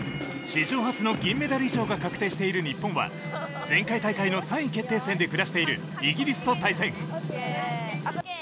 史上初の銀メダル以上が確定している日本は前回大会の３位決定戦で下しているイギリスと対戦。